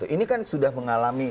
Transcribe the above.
ini kan sudah mengalami